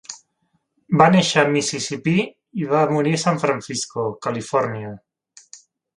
Va néixer a Mississipí i va morir a San Francisco, Califòrnia.